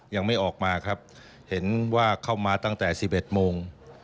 ยังไม่ออกมาครับเห็นว่าเข้ามาตั้งแต่๑๑โมง